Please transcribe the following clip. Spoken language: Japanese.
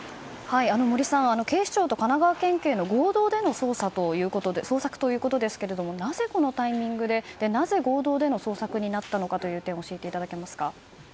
森さん、警視庁と神奈川県警の合同での捜索ということですがなぜ、このタイミングでなぜ合同での捜索になったのかという点教えていただけますか。